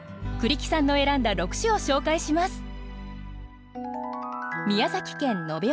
栗木さんの選んだ６首を紹介します。